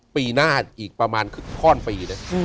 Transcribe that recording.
ปีหน้าอีกประมาณข้อนปีนะ